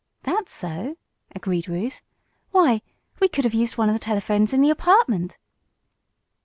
"That's so," agreed Ruth. "Why, we could have used one of the telephones in the apartment!"